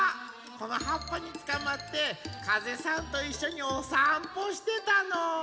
このはっぱにつかまってかぜさんといっしょにおさんぽしてたの。